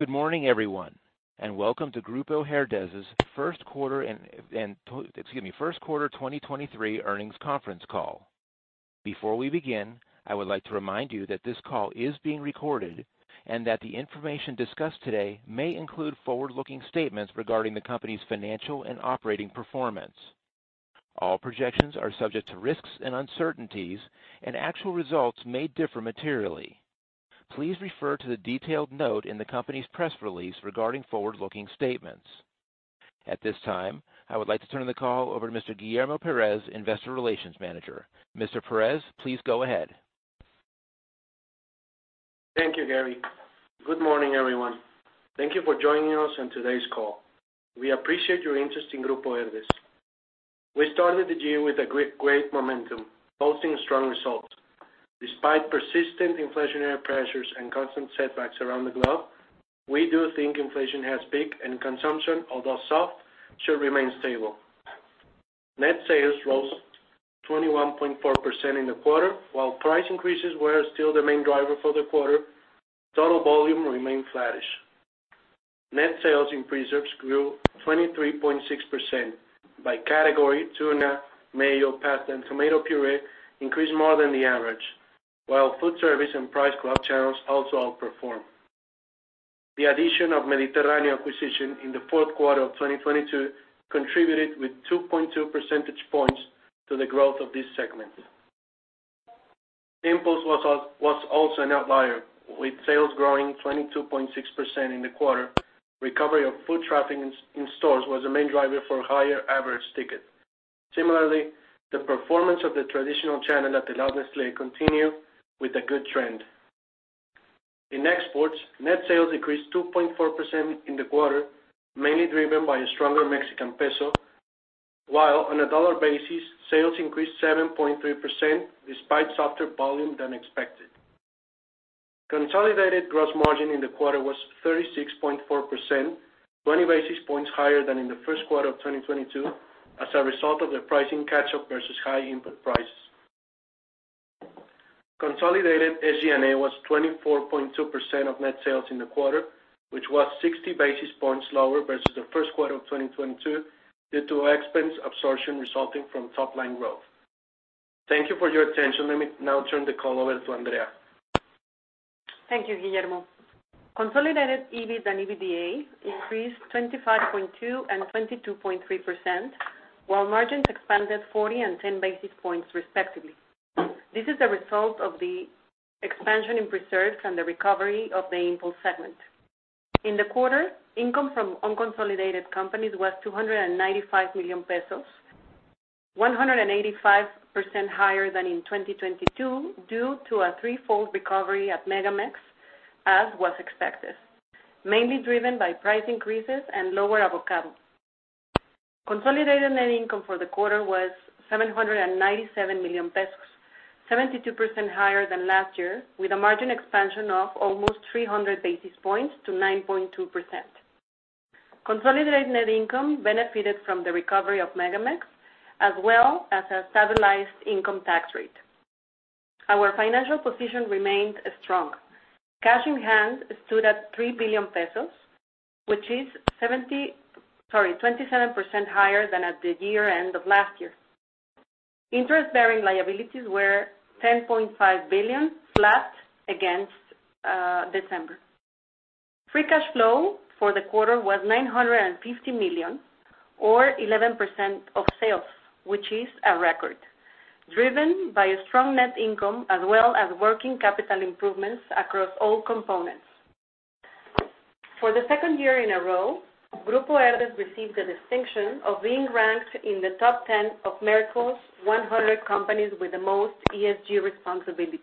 Good morning, everyone, and welcome to Grupo Herdez's first quarter, excuse me, first quarter 2023 earnings conference call. Before we begin, I would like to remind you that this call is being recorded and that the information discussed today may include forward-looking statements regarding the company's financial and operating performance. All projections are subject to risks and uncertainties. Actual results may differ materially. Please refer to the detailed note in the company's press release regarding forward-looking statements. At this time, I would like to turn the call over to Mr. Guillermo Pérez, investor relations manager. Mr. Pérez, please go ahead. Thank you, Gary. Good morning, everyone. Thank you for joining us on today's call. We appreciate your interest in Grupo Herdez. We started the year with a great momentum, posting strong results. Despite persistent inflationary pressures and constant setbacks around the globe, we do think inflation has peaked. Consumption, although soft, should remain stable. Net sales rose 21.4% in the quarter. While price increases were still the main driver for the quarter, total volume remained flattish. Net sales in preserves grew 23.6%. By category, tuna, mayo, pasta, and tomato puree increased more than the average, while food service and price club channels also outperformed. The addition of Mediterraneo acquisition in the fourth quarter of 2022 contributed with 2.2 percentage points to the growth of this segment. Impulse was also an outlier, with sales growing 22.6% in the quarter. Recovery of food traffic in stores was the main driver for higher average ticket. Similarly, the performance of the traditional channel at the continued with a good trend. In exports, net sales increased 2.4% in the quarter, mainly driven by a stronger Mexican peso, while on a dollar basis, sales increased 7.3% despite softer volume than expected. Consolidated gross margin in the quarter was 36.4%, 20 basis points higher than in the first quarter of 2022, as a result of the pricing catch-up versus high input prices. Consolidated SG&A was 24.2% of net sales in the quarter, which was 60 basis points lower versus the first quarter of 2022 due to expense absorption resulting from top line growth. Thank you for your attention. Let me now turn the call over to Andrea. Thank you, Guillermo. Consolidated EBIT and EBITDA increased 25.2% and 22.3%, while margins expanded 40 and 10 basis points respectively. This is a result of the expansion in preserves and the recovery of the impulse segment. In the quarter, income from unconsolidated companies was 295 million pesos, 185% higher than in 2022 due to a threefold recovery at MegaMex, as was expected, mainly driven by price increases and lower avocado. Consolidated net income for the quarter was 797 million pesos, 72% higher than last year, with a margin expansion of almost 300 basis points to 9.2%. Consolidated net income benefited from the recovery of MegaMex as well as a stabilized income tax rate. Our financial position remained strong. Cash in hand stood at 3 billion pesos, which is 27% higher than at the year-end of last year. Interest-bearing liabilities were 10.5 billion, flat against December. Free cash flow for the quarter was 950 million or 11% of sales, which is a record, driven by a strong net income as well as working capital improvements across all components. For the 2nd year in a row, Grupo Herdez received the distinction of being ranked in the top 10 of Merco's 100 companies with the most ESG responsibility.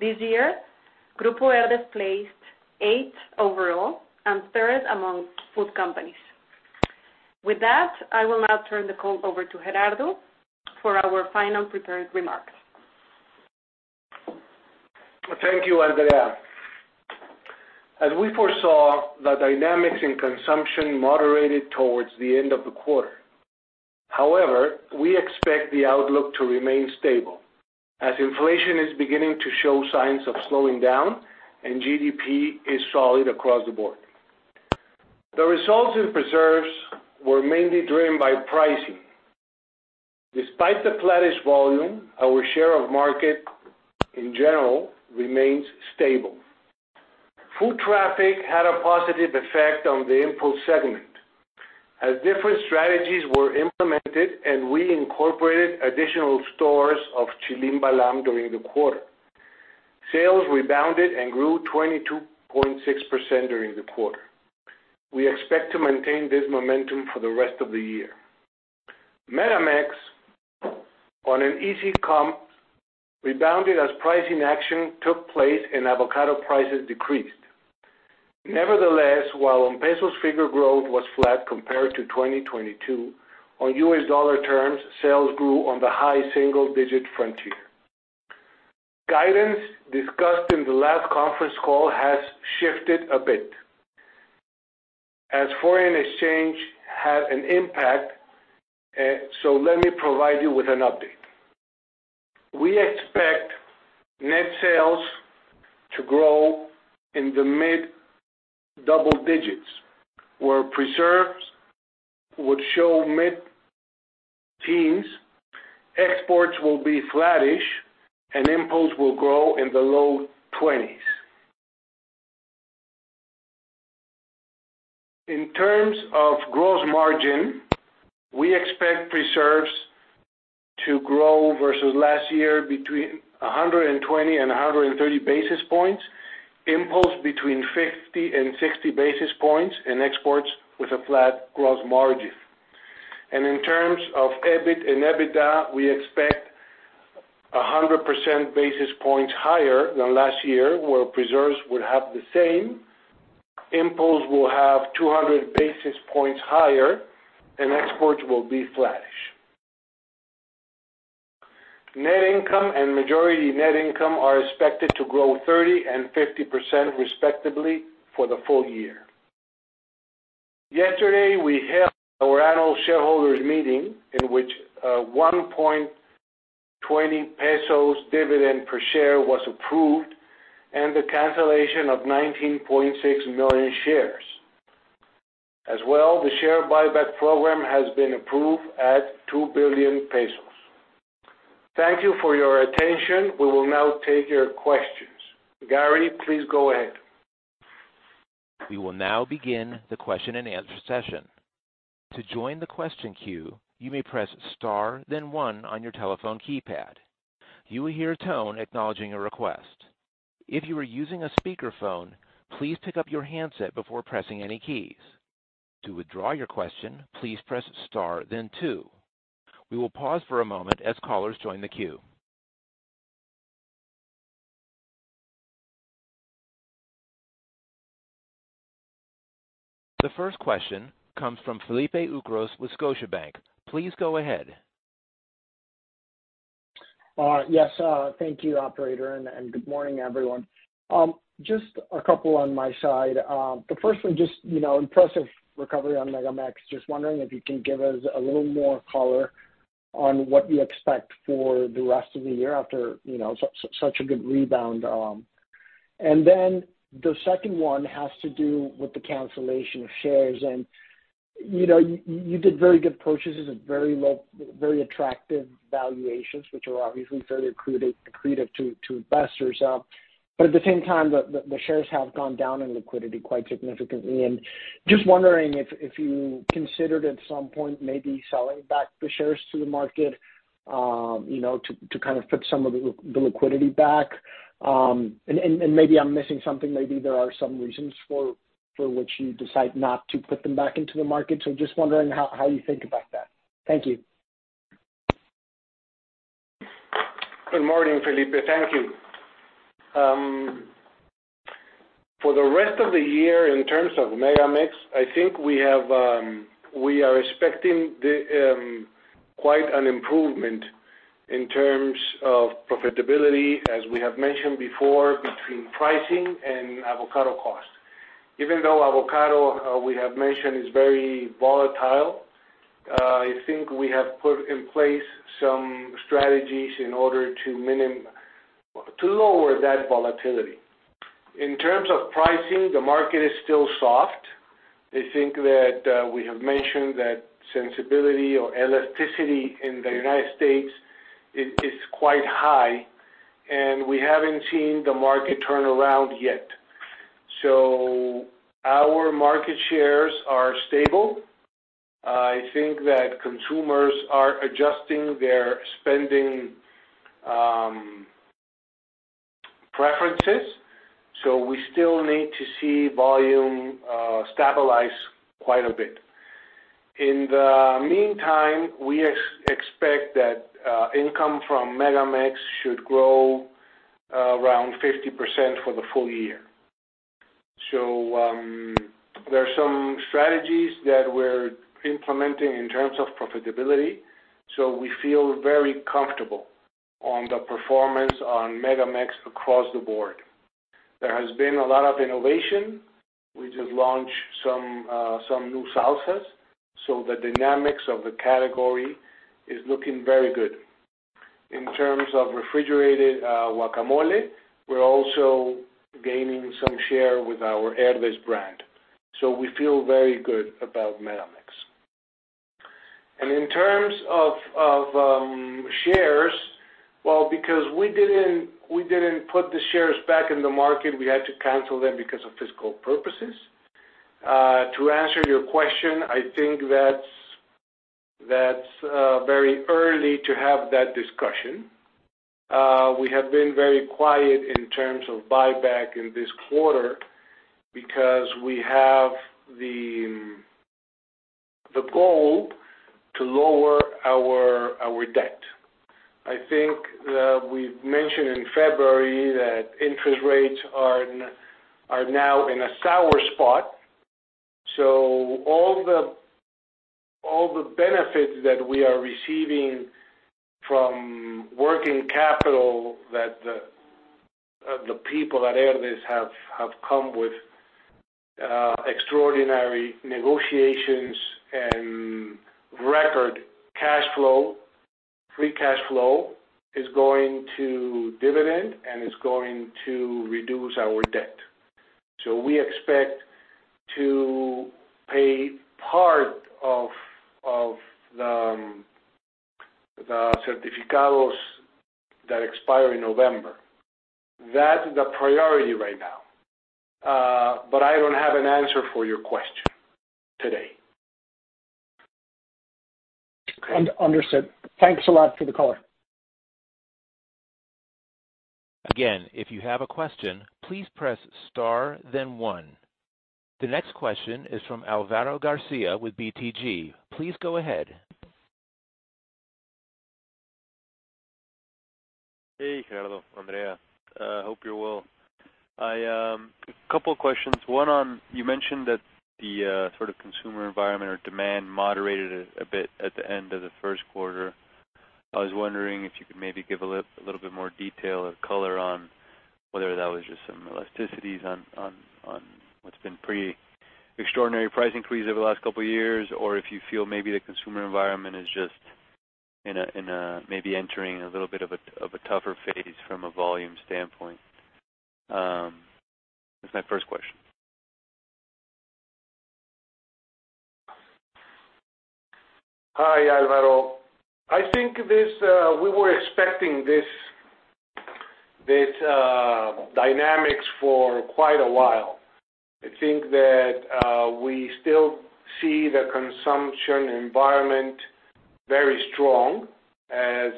This year, Grupo Herdez placed 8th overall and 3rd among food companies. With that, I will now turn the call over to Gerardo for our final prepared remarks. Thank you, Andrea. As we foresaw, the dynamics in consumption moderated towards the end of the quarter. We expect the outlook to remain stable as inflation is beginning to show signs of slowing down and GDP is solid across the board. The results in preserves were mainly driven by pricing. Despite the flattish volume, our share of market in general remains stable. Food traffic had a positive effect on the impulse segment, as different strategies were implemented and we incorporated additional stores of Chilim Balam during the quarter. Sales rebounded and grew 22.6% during the quarter. We expect to maintain this momentum for the rest of the year. MegaMex, on an easy comp, rebounded as pricing action took place and avocado prices decreased. Nevertheless, while on pesos, figure growth was flat compared to 2022, on U.S. dollar terms, sales grew on the high single digit frontier. Guidance discussed in the last conference call has shifted a bit as foreign exchange had an impact. Let me provide you with an update. We expect net sales to grow in the mid-double digits, where preserves would show mid-teens, exports will be flattish, and imports will grow in the low twenties. In terms of gross margin, we expect preserves to grow versus last year between 120 and 130 basis points, impulse between 50 and 60 basis points, and exports with a flat gross margin. In terms of EBIT and EBITDA, we expect 100% basis points higher than last year, where preserves would have the same, impulse will have 200 basis points higher, and exports will be flattish. Net income and majority net income are expected to grow 30% and 50%, respectively, for the full year. Yesterday, we held our annual shareholders meeting, in which 1.20 pesos dividend per share was approved and the cancellation of 19.6 million shares. As well, the share buyback program has been approved at 2 billion pesos. Thank you for your attention. We will now take your questions. Gary, please go ahead. We will now begin the question-and-answer session. To join the question queue, you may press Star then one on your telephone keypad. You will hear a tone acknowledging your request. If you are using a speakerphone, please pick up your handset before pressing any keys. To withdraw your question, please press Star then two. We will pause for a moment as callers join the queue. The first question comes from Felipe Ucros with Scotiabank. Please go ahead. Thank you operator, good morning, everyone. Just a couple on my side. The first one, just, you know, impressive recovery on MegaMex. Just wondering if you can give us a little more color on what you expect for the rest of the year after, you know, such a good rebound. Then the second one has to do with the cancellation of shares. You know, you did very good purchases at very low, very attractive valuations, which are obviously very accretive to investors. At the same time, the shares have gone down in liquidity quite significantly. Just wondering if you considered at some point maybe selling back the shares to the market, you know, to kind of put some of the liquidity back. Maybe I'm missing something. Maybe there are some reasons for which you decide not to put them back into the market. Just wondering how you think about that. Thank you. Good morning, Felipe. Thank you. For the rest of the year, in terms of MegaMex, I think we have we are expecting quite an improvement in terms of profitability, as we have mentioned before, between pricing and avocado cost. Avocado, we have mentioned, is very volatile, I think we have put in place some strategies in order to lower that volatility. In terms of pricing, the market is still soft. I think that we have mentioned that sensibility or elasticity in the U.S. is quite high. We haven't seen the market turn around yet. Our market shares are stable. I think that consumers are adjusting their spending preferences. We still need to see volume stabilize quite a bit. In the meantime, we expect that income from MegaMex should grow around 50% for the full year. There are some strategies that we're implementing in terms of profitability, so we feel very comfortable on the performance on MegaMex across the board. There has been a lot of innovation. We just launched some new salsas, the dynamics of the category is looking very good. In terms of refrigerated guacamole, we're also gaining some share with our Herdez brand. We feel very good about MegaMex. In terms of shares, well, because we didn't put the shares back in the market, we had to cancel them because of fiscal purposes. To answer your question, I think that's very early to have that discussion. We have been very quiet in terms of buyback in this quarter because we have the goal to lower our debt. I think that we've mentioned in February that interest rates are now in a sour spot. All the benefits that we are receiving from working capital that the people at Herdez have come with extraordinary negotiations and record cash flow. Free cash flow is going to dividend, and it's going to reduce our debt. We expect to pay part of the certificados that expire in November. That's the priority right now. I don't have an answer for your question today. Under-understood. Thanks a lot for the call. Again, if you have a question, please press star then one. The next question is from Alvaro Garcia with BTG. Please go ahead. Hey, Gerardo, Andrea. Hope you're well. I, couple of questions. One on, you mentioned that the sort of consumer environment or demand moderated a bit at the end of the first quarter. I was wondering if you could maybe give a little bit more detail or color on whether that was just some elasticities on what's been pretty extraordinary price increases over the last couple of years, or if you feel maybe the consumer environment is just in a, maybe entering a little bit of a tougher phase from a volume standpoint? That's my first question. Hi, Alvaro. I think this we were expecting this dynamics for quite a while. I think that we still see the consumption environment very strong as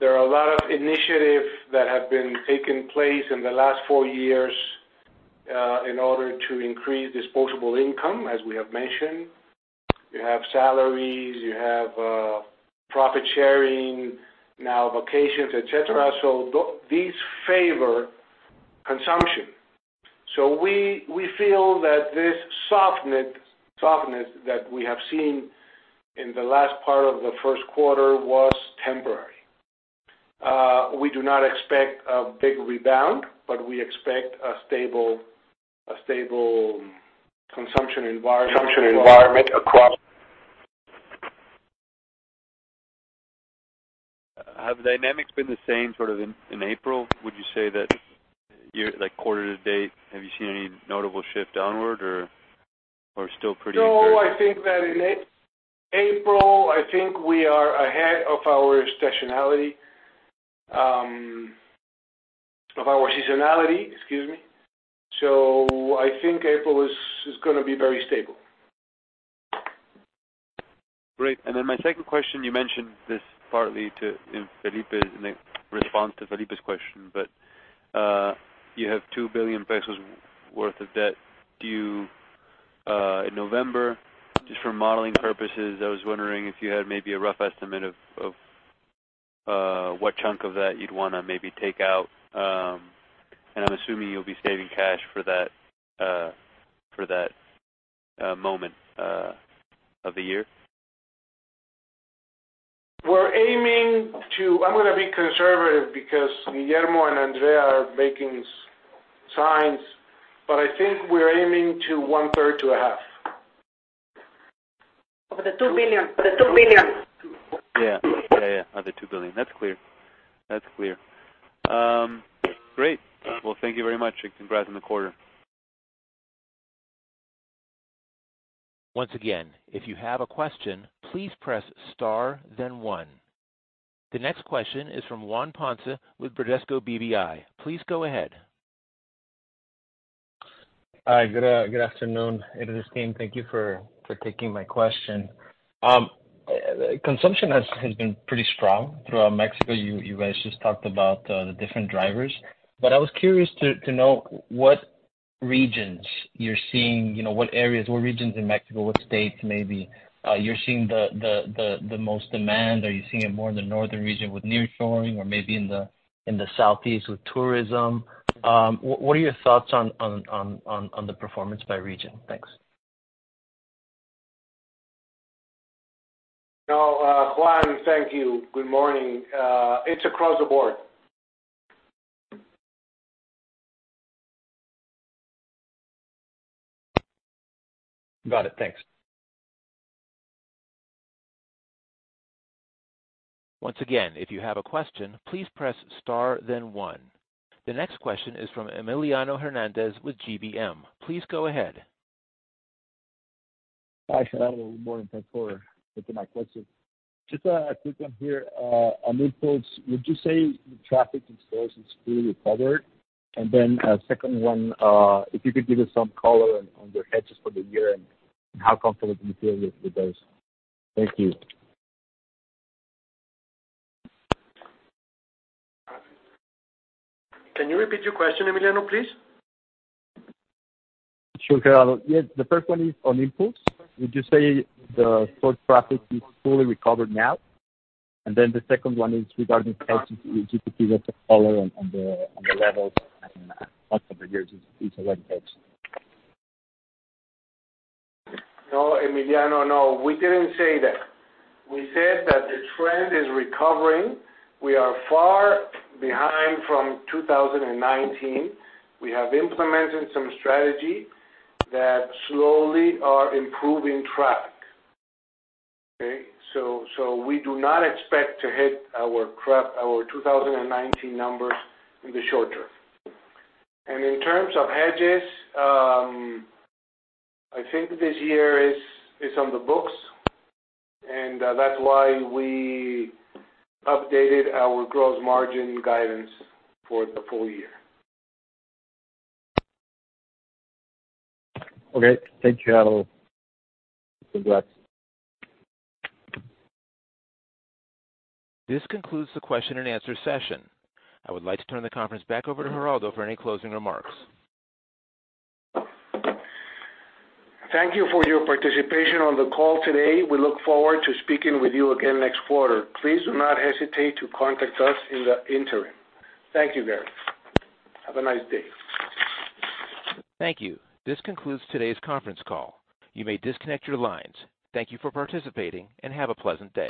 there are a lot of initiatives that have been taking place in the last four years in order to increase disposable income, as we have mentioned. You have salaries, you have profit sharing now, vacations, et cetera. These favor consumption. We feel that this softness that we have seen in the last part of the first quarter was temporary. We do not expect a big rebound, but we expect a stable consumption environment across. Have the dynamics been the same sort of in April? Would you say that year, like quarter to date, have you seen any notable shift downward or still pretty fair? No, I think that in April, I think we are ahead of our seasonality. Of our seasonality, excuse me. I think April is gonna be very stable. Great. My second question, you mentioned this partly to, in Felipe's, in a response to Felipe's question, but you have 2 billion pesos worth of debt due in November. Just for modeling purposes, I was wondering if you had maybe a rough estimate of what chunk of that you'd wanna maybe take out. I'm assuming you'll be saving cash for that, for that moment of the year. I'm gonna be conservative because Guillermo and Andrea are making signs, but I think we're aiming to one third to a half. Of the 2 billion. The 2 billion. Yeah, yeah. Of the 2 billion. That's clear. Great. Well, thank you very much. Congrats on the quarter. Once again, if you have a question, please press star then one. The next question is from Juan Ponce with Bradesco BBI. Please go ahead. Hi. Good afternoon, Herdez team. Thank you for taking my question. Consumption has been pretty strong throughout Mexico. You guys just talked about the different drivers. I was curious to know what regions you're seeing, you know, what areas, what regions in Mexico, what states maybe, you're seeing the most demand. Are you seeing it more in the northern region with nearshoring or maybe in the southeast with tourism? What are your thoughts on the performance by region? Thanks. No, Juan, thank you. Good morning. It's across the board. Got it. Thanks. Once again, if you have a question, please press star then one. The next question is from Emiliano Hernández with GBM. Please go ahead. Hi, Gerardo. Good morning. Thanks for taking my question. Just a quick one here. On inputs, would you say the traffic in stores is fully recovered? A second one, if you could give us some color on your hedges for the year and how comfortable you feel with those. Thank you. Can you repeat your question, Emiliano, please? Sure, Gerardo. Yes, the first one is on inputs. Would you say the store traffic is fully recovered now? The second one is regarding hedges. If you could give us a color on the levels and parts of the year just in case of hedges. No, Emiliano, no, we didn't say that. We said that the trend is recovering. We are far behind from 2019. We have implemented some strategy that slowly are improving traffic. Okay? We do not expect to hit our 2019 numbers in the short term. In terms of hedges, I think this year is on the books, and that's why we updated our gross margin guidance for the full year. Okay. Thank you, Gerardo. Congrats. This concludes the question and answer session. I would like to turn the conference back over to Gerardo for any closing remarks. Thank you for your participation on the call today. We look forward to speaking with you again next quarter. Please do not hesitate to contact us in the interim. Thank you, guys. Have a nice day. Thank you. This concludes today's conference call. You may disconnect your lines. Thank you for participating, and have a pleasant day.